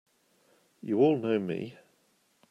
You all know me!